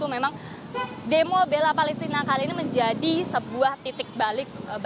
memang demo bela palestina kali ini menjadi sebuah titik balik bagi masyarakat indonesia